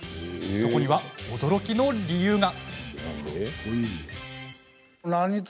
そこには驚きの理由が。